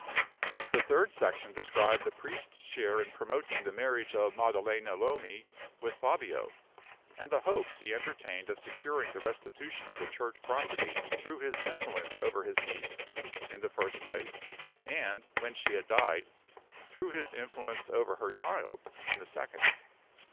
The third section described the priest's share in promoting the marriage of Maddalena Lomi with Fabio; and the hopes he entertained of securing the restitution of the Church property through his influence over his niece, in the first place, and, when she had died, through his influence over her child, in the second.